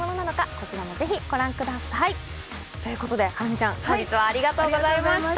こちらもぜひご覧ください。ということでハラミちゃん本日はありがとうございました。